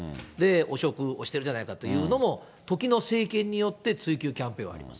汚職をしてるじゃないかというのも、時の政権によって追及キャンペーンはあります。